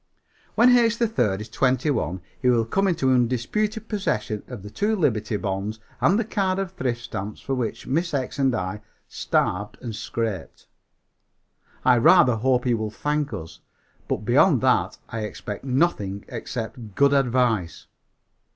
When H. 3rd is twenty one he will come into undisputed possession of the two Liberty bonds and the card of thrift stamps for which Miss X and I starved and scraped. I rather hope he will thank us, but beyond that I expect nothing except good advice.